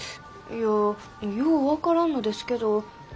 いやよう分からんのですけど